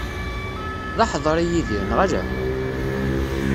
D aḥedri Yidir, neɣ ala?